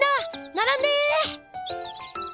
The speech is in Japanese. ならんで！